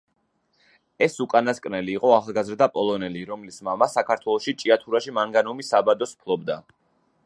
ეს უკანასკნელი იყო ახალგაზრდა პოლონელი, რომლის მამა საქართველოში, ჭიათურაში მანგანუმის საბადოს ფლობდა.